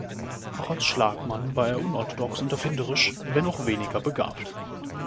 Auch als Schlagmann war er unorthodox und erfinderisch, wenn auch weniger begabt.